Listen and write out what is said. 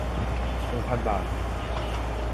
หนึ่งพัน บาท